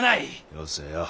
よせよ。